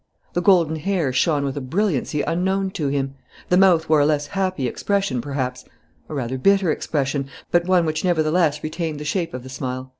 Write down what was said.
The golden hair shone with a brilliancy unknown to him. The mouth wore a less happy expression, perhaps, a rather bitter expression, but one which nevertheless retained the shape of the smile.